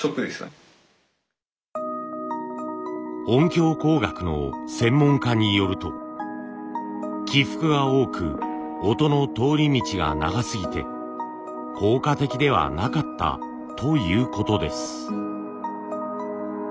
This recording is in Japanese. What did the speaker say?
音響工学の専門家によると起伏が多く音の通り道が長すぎて効果的ではなかったということです。